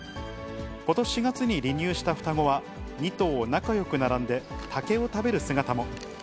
ことし４月に離乳した双子は、２頭仲よく並んで、竹を食べる姿も。